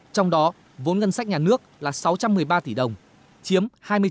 trong đó vốn ngân sách nhà nước là sáu trăm một mươi ba tỷ đồng chiếm hai mươi chín